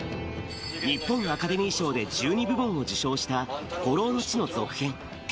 日本アカデミー賞で１２部門を受賞した、孤狼の血の続編。